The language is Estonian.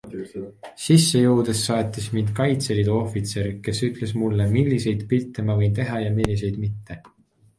Sisse jõudes saatis mind Kaitseliidu ohvitser, kes ütles mulle, milliseid pilte ma võin teha ja milliseid mitte.